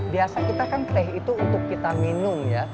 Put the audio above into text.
biasa kita kan teh itu untuk kita minum ya